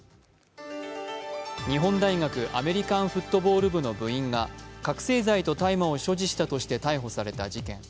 日本大学アメリカンフットボール部の部員が覚醒剤と大麻を所持したとして逮捕された事件。